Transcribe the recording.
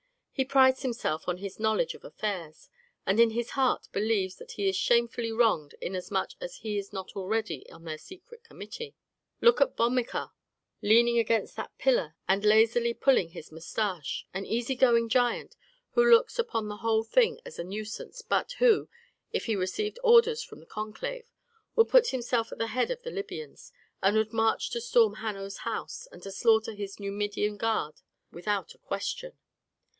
He prides himself on his knowledge of affairs, and in his heart believes that he is shamefully wronged inasmuch as he is not already on the secret committee. "Look at Bomilca leaning against that pillar and lazily pulling his mustache, an easygoing giant, who looks upon the whole thing as a nuisance, but who, if he received orders from the conclave, would put himself at the head of the Libyans, and would march to storm Hanno's house, and to slaughter his Numidian guard without a question.